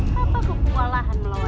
kenapa kau kekuatan melawan mereka